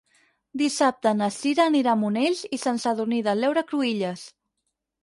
Dissabte na Cira anirà a Monells i Sant Sadurní de l'Heura Cruïlles.